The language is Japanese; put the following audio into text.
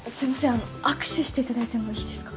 あの握手していただいてもいいですか？